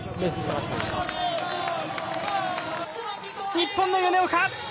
日本の米岡！